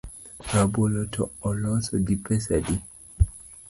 Rabolo to oloso gi pesa adi?